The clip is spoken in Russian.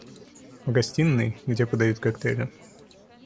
В гостиной, где подают коктейли.